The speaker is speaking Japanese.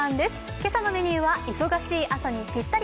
今朝のメニューは忙しい朝にぴったり！